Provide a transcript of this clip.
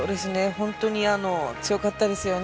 本当に強かったですよね。